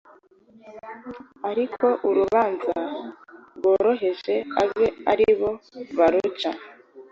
ariko urubanza rworoheje abe ari bo baruca.